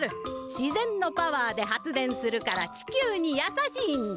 自ぜんのパワーで発電するから地球にやさしいんじゃ。